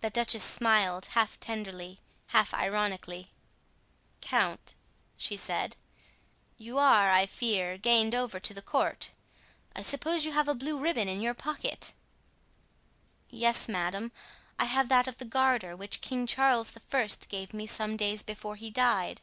The duchess smiled, half tenderly, half ironically. "Count," she said, "you are, I fear, gained over to the court. I suppose you have a blue ribbon in your pocket?" "Yes, madame; I have that of the Garter, which King Charles I. gave me some days before he died."